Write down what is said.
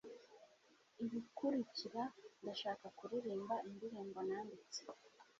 Ibikurikira, ndashaka kuririmba indirimbo nanditse.